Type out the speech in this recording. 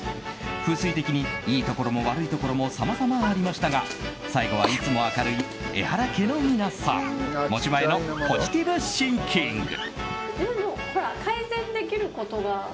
風水的に良いところも悪いところもさまざまありましたが最後はいつも明るいエハラ家の皆さん持ち前のポジティブシンキング。